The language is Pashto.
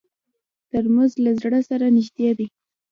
ترموز له زړه سره نږدې دی.